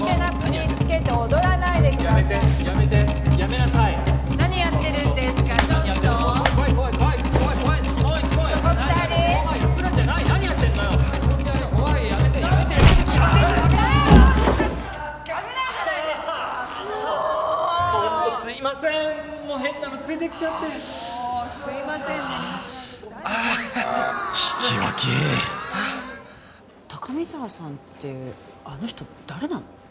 引き分け高見沢さんってあの人誰なの？